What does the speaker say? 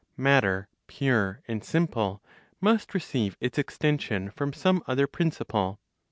Matter pure and simple must receive its extension from some other principle.